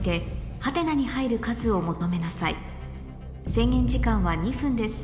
制限時間は２分です